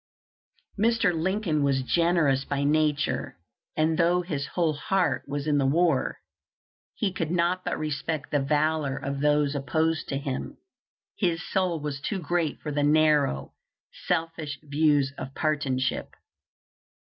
Mr. Lincoln was generous by nature, and though his whole heart was in the war, he could not but respect the valor of those opposed to him. His soul was too great for the narrow, selfish views of partisanship.